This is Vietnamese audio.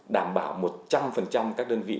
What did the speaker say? đảm bảo một trăm linh các đơn vị